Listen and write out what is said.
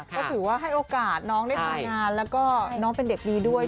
ก็ถือว่าให้โอกาสน้องได้ทำงานแล้วก็น้องเป็นเด็กดีด้วย